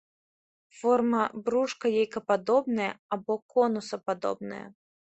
Форма брушка яйкападобная або конусападобная.